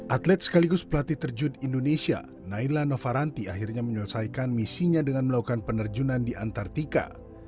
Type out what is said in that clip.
atlet sekaligus pelatih terjun indonesia naila novaranti akhirnya menyelesaikan misinya dengan melakukan penerjunan di antartika